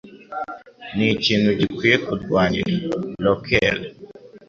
Ni ikintu gikwiye kurwanira (rockelle)